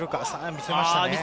見せましたね。